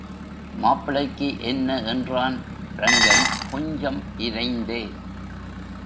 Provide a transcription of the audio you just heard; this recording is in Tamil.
மாப்பிள்ளைக்கு என்ன? என்றான் ரங்கன், கொஞ்சம் இரைந்தே.